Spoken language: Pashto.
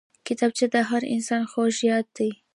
کتابچه د هر انسان خوږ یاد دی